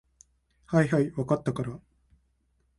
はいはい、分かったから。